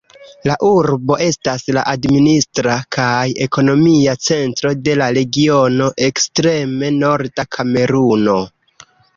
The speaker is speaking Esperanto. La urbo estas la administra kaj ekonomia centro de la regiono Ekstreme norda Kameruno.